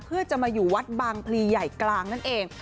เพื่อจะมาอยู่วัดบางพลีใหญ่กลางนั่นเอง